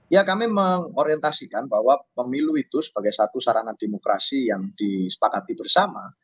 ya kami mengorientasikan bahwa pemilu itu sebagai satu sarana demokrasi yang disepakati bersama